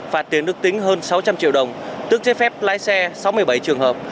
phạt tiền được tính hơn sáu trăm linh triệu đồng tức chế phép lái xe sáu mươi bảy trường hợp